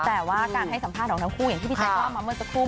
แต่ว่าการให้สัมภาษณ์ของทั้งคู่อย่างที่พี่แจ๊คว่ามาเมื่อสักครู่